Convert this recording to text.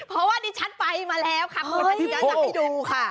เพราะว่านี่ฉันไปมาแล้วค่ะคุณจะไปดูค่ะ